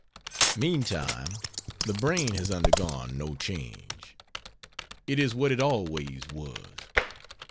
Meantime, the brain has undergone no change. It is what it always was.